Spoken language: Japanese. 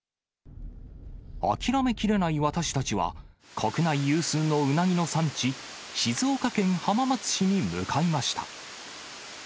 諦めきれない私たちは国内有数のうなぎの産地、静岡県浜松市に向かいました。